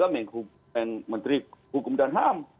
menteri hukum dan ham